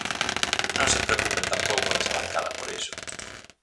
Non se preocupen tampouco nesa bancada por iso.